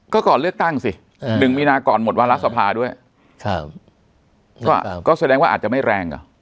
ก็ก่อนเลือกตั้งสิ๑มีนาก่อนหมดวาระสภาด้วยก็แสดงว่าอาจจะไม่แรงอ่ะ